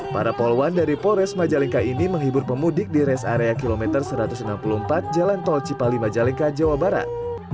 para poluan dari pores majalengka ini menghibur pemudik di res area kilometer satu ratus enam puluh empat jalan tol cipali majalengka jawa barat